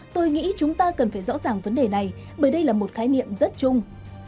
tôi nghĩ chúng ta cần phải rõ ràng vấn đề này bởi đây là một khái niệm rất chung